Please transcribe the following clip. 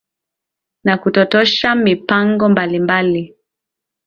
na kutatosha mipango mbalimbali